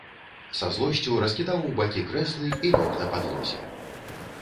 Са злосцю раскідаў у бакі крэслы і лёг на падлозе.